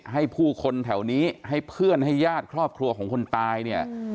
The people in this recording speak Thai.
ให้ผู้คนแถวนี้ให้เพื่อนให้ญาติครอบครัวของคนตายเนี่ย